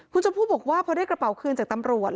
คุณชมพู่บอกว่าพอได้กระเป๋าคืนจากตำรวจ